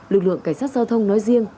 lực lượng cảnh sát giao thông nói riêng